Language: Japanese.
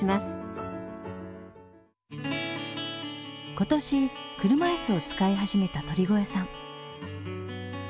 今年車椅子を使い始めた鳥越さん。